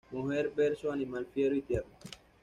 Mujer verso, "Animal fiero y tierno"".